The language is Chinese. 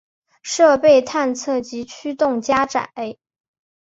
设备探测及驱动加载